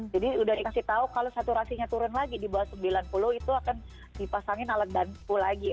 jadi sudah dikasih tahu kalau saturasinya turun lagi di bawah sembilan puluh itu akan dipasangin alat bantu lagi